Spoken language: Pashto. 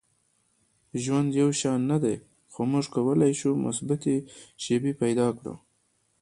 • ژوند یو شان نه دی، خو موږ کولی شو مثبتې شیبې پیدا کړو.